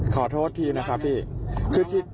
ขอโทษทีนะครับพี่